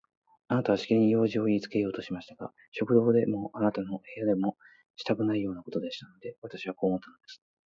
あなたはしきりに用事をいいつけようとされましたが、食堂でもあなたの部屋でもしたくないようでしたので、私はこう思ったんです。